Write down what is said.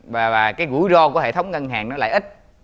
và cái gũi rô của hệ thống ngân hàng nó lại ít